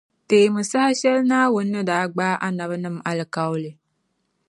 Teemi saha shεli Naawuni ni daa gbaai Annabinim’ alikauli .